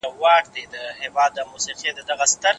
علم مینه ژوندۍ ساتي.